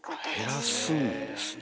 減らすんですね。